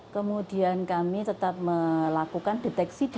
kemudian kami tetap melakukan deteksi dini